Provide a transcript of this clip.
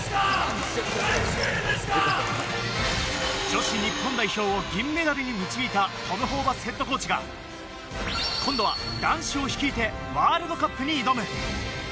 女子日本代表を銀メダルに導いたトム・ホーバスヘッドコーチが今度は男子を率いて、ワールドカップに挑む。